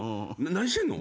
何してんの？